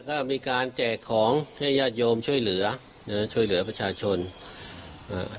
ก็มีการแจกของให้ญาติโยมช่วยเหลือนะฮะช่วยเหลือประชาชนอ่า